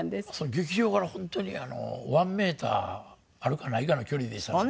劇場から本当に１メーターあるかないかの距離でしたので。